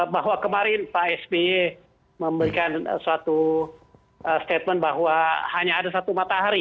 bahwa kemarin pak sby memberikan suatu statement bahwa hanya ada satu matahari